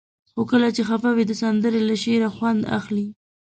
خو کله چې خفه وئ؛ د سندرې له شعره خوند اخلئ.